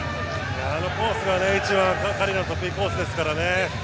あのコースが一番彼の得意コースですからね。